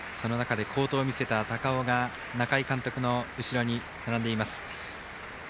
好投を見せた高尾が中井監督の後ろに並んでいます。